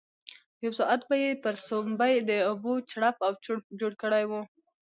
یو ساعت به یې پر سومبۍ د اوبو چړپ او چړوپ جوړ کړی وو.